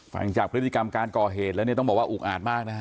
ฟังจากพฤติกรรมการก่อเหตุแล้วเนี่ยต้องบอกว่าอุกอาจมากนะฮะ